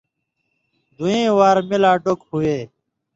دُویں وار می لا ڈوک ہُویے۔